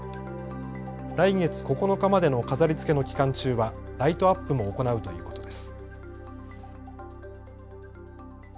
来月９日までの飾りつけの期間中はライトアップも行うということです。